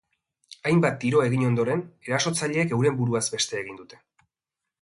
Hainbat tiro egin ondoren, erasotzaileek euren buruaz beste egin dute.